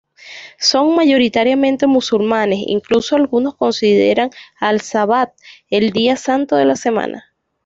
Son mayoritariamente musulmanes, incluso algunos consideran al "sabbath "el día santo de la semana.